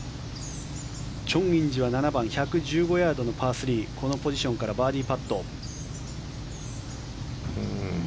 チョン・インジ１１５ヤードのパー３このポジションからバーディーパット。